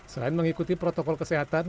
selain mengikuti protokol kesehatan